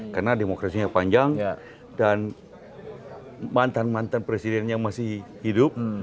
karena demokrasinya panjang dan mantan mantan presidennya masih hidup